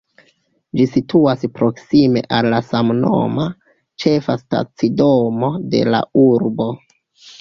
Ĝi situas proksime al la samnoma, ĉefa stacidomo de la urbo.